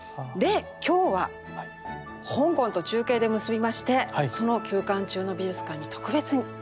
で今日は香港と中継で結びましてその休館中の美術館に特別に。